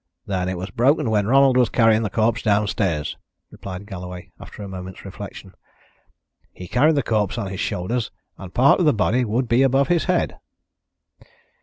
"Then it was broken when Ronald was carrying the corpse downstairs," replied Galloway, after a moment's reflection. "He carried the corpse on his shoulders and part of the body would be above his head."